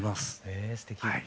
えすてき。